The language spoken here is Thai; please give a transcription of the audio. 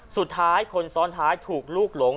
สุดท้ายคนซ้อนท้ายถูกลูกหลง